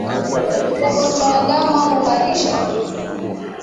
Ugonjwa wa ndama kuharisha